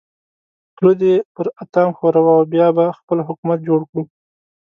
خوله دې پر اتام ښوروه او بیا به خپل حکومت جوړ کړو.